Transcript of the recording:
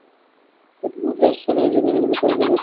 এটা মবির আস্তানা, এখানে সারাদিন রাত মাস্তি করি।